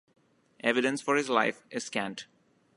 Evidence for his life is scant.